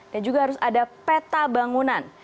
dan juga harus ada peta bangunan